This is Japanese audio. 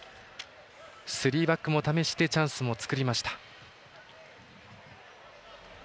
スリーバックも試してチャンスを作りました。